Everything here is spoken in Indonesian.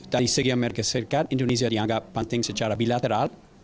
dari segi amerika serikat indonesia dianggap penting secara bilateral